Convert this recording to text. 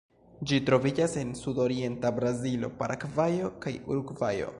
Ĝi troviĝas en sudorienta Brazilo, Paragvajo kaj Urugvajo.